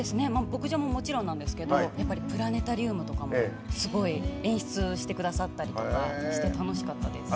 牧場ももちろんなんですけどプラネタリウムとかもすごい演出してくださったりとかして楽しかったです。